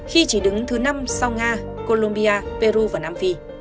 khi chỉ đứng thứ năm sau nga colombia peru và nam phi